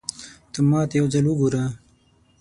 ته ماته يو ځل وګوره